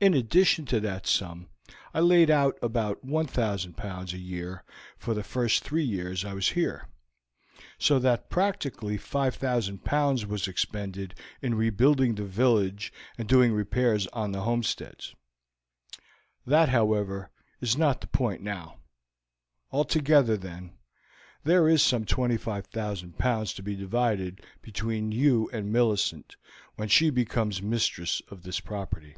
In addition to that sum I laid out about 1000 pounds a year for the first three years I was here; so that practically 5000 pounds was expended in rebuilding the village and doing repairs on the homesteads; that, however, is not the point now. Altogether, then, there is some 25,000 pounds to be divided between you and Millicent when she becomes mistress of this property.